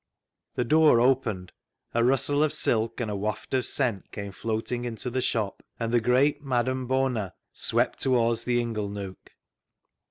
The door opened ; a rustle of silk and a waft of scent came floating into the shop, and the great Madame Bona swept towards the ingle nook.